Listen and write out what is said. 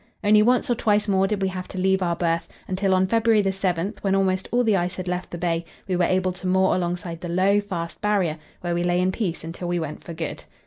Only once or twice more did we have to leave our berth, until on February 7, when almost all the ice had left the bay, we were able to moor alongside the low, fast Barrier, where we lay in peace until we went for good.